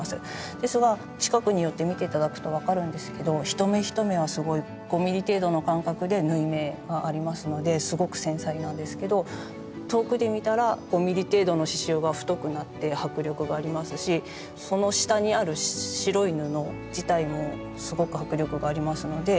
ですが近くに寄って見て頂くと分かるんですけど１目１目はすごい５ｍｍ程度の間隔で縫い目がありますのですごく繊細なんですけど遠くで見たら５ｍｍ程度の刺しゅうが太くなって迫力がありますしその下にある白い布自体もすごく迫力がありますので。